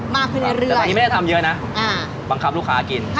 มากขึ้นเรื่อยแต่ตอนนี้ไม่ได้ทำเยอะนะบังคับลูกค้ากิน